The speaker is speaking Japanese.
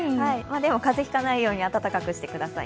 風邪をひかないように温かくしてください。